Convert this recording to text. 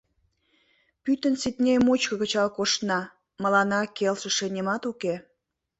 Пӱтынь Сидней мучко кычал коштна — мыланна келшыше нимат уке.